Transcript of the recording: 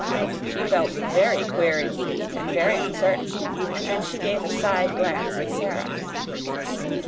She felt very queer indeed, and very uncertain, and she gave a side glance at Sara.